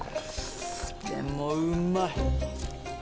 でもうまい。